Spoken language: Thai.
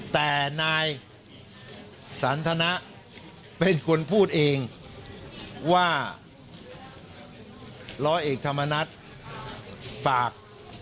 แต่นายสันทนะเป็นคนพูดเองว่าร้อยเอกธรรมนัฐฝาก